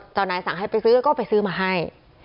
นายสั่งให้ไปซื้อก็ไปซื้อมาให้